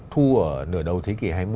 thu ở nửa đầu thế kỷ hai mươi